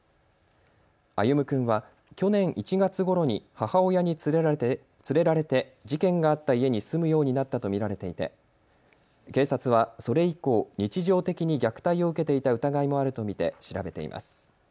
歩夢君は去年１月ごろに母親に連れられて事件があった家に住むようになったと見られていて警察はそれ以降、日常的に虐待を受けていた疑いもあると見て調べています。